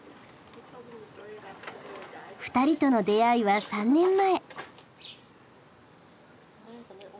２人との出会いは３年前。